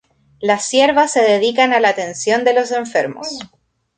Las siervas se dedican a la atención de los enfermos.